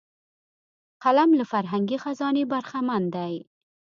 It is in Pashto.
قلم له فرهنګي خزانې برخمن دی